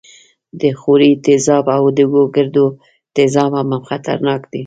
د ښورې تیزاب او د ګوګړو تیزاب هم خطرناک دي.